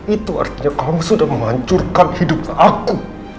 itu artinya kamu sudah menghancurkan hidup aku